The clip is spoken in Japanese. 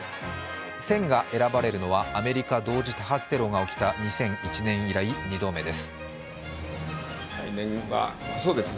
「戦」が選ばれるのはアメリカ同時多発テロが起きた２００１年以来、２度目です。